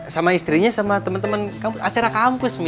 sama istrinya sama temen temen acara kampus